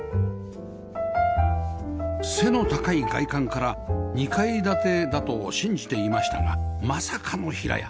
背の高い外観から２階建てだと信じていましたがまさかの平屋